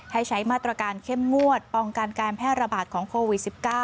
ให้ใช้มาตรการเข้มงวดป้องกันการแพร่ระบาดของโควิด๑๙